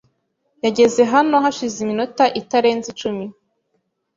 yageze hano hashize iminota itarenze icumi.